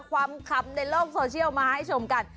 คำในโลกโซเชียลมาให้ชมกัน